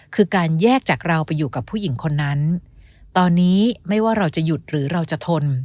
คือการแยกจากเราไปอยู่กับผู้หญิงคนนั้นตอนนี้ไม่ว่าเราจะหยุดหรือเราจะทน